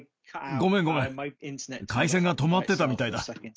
ごめん、ごめん、回線が止まってたみたいだ。